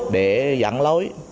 để dẫn lối